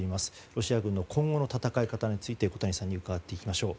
ロシア軍の今後の戦い方について小谷さんに伺っていきましょう。